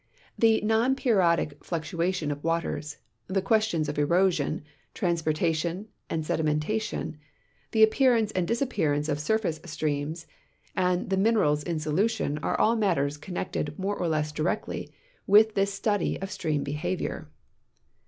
The non periodic fluctuation of waters, the questions of erosion, transportation) and sedimentation, the apj)earance and di.sapjiearance of surface streams and the minerals in solution are all matters connected more or less directly with this .study of stream behavior.